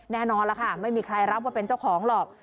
แน่นอนแล้วค่ะไม่มีใครรับว่าเป็นเจ้าของหรอก